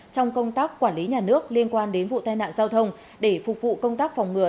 trong công tác quản lý nhà nước liên quan đến vụ tai nạn giao thông để phục vụ công tác phòng ngừa